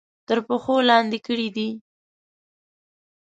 تر پښو لاندې کړي دي.